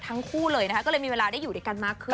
ทั้งคู่เลยนะคะก็เลยมีเวลาได้อยู่ด้วยกันมากขึ้น